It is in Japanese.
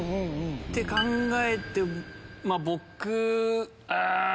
って考えて僕うん。